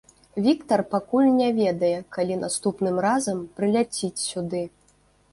Віктар пакуль не ведае, калі наступным разам прыляціць сюды.